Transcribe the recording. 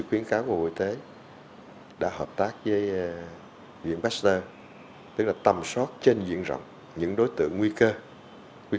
khuyến cáo của hội tế đã hợp tác với viện pasteur tức là tầm soát trên viện rộng những đối tượng nguy